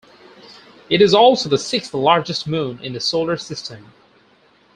It is also the sixth-largest moon in the Solar System.